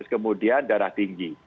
kemudian darah tinggi